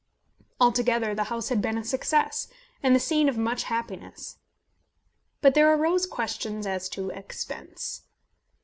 Altogether the house had been a success, and the scene of much happiness. But there arose questions as to expense.